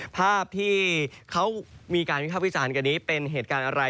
ภาพที่เขามีการวิภาควิจารณ์กันนี้เป็นเหตุการณ์อะไร